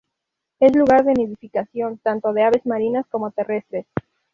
Es lugar de nidificación tanto de aves marinas como terrestres.